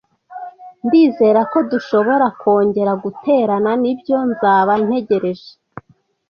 Ndizera ko dushobora kongera guterana. Nibyo, nzaba ntegereje.